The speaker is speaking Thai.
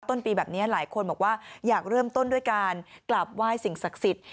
ต้นปีแบบนี้หลายคนบอกว่าอยากเริ่มต้นด้วยการกลับไหว้สิ่งศักดิ์สิทธิ์